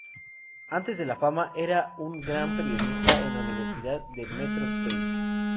Antes de la fama, era un gran periodista en la Universidad de metro State.